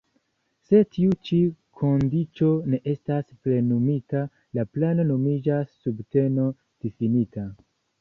Se tiu ĉi kondiĉo ne estas plenumita, la plano nomiĝas "subteno-difinita".